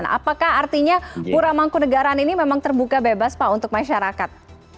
apakah artinya pura mangkunagaran ini memang terbuka bebas pak untuk masyarakat